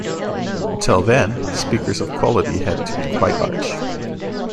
Until then, speakers of quality had to be quite large.